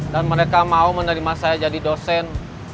dan mereka mau menerima saya jadi dosen